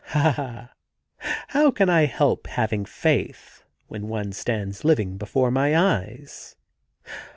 ' Ah, how can I help having faith when one stands living before my eyes